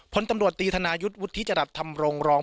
ผลตำรวจตีธนายุทฯวุฒิธรัตน์ธรรมรองรอง